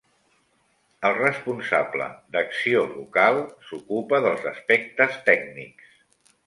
El responsable d'acció local s'ocupa dels aspectes tècnics.